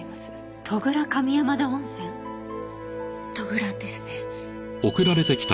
戸倉ですね。